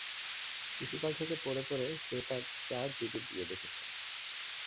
শিশুকাল থেকে পরে পরে সে তার চার দিদির বিয়ে দেখেছে।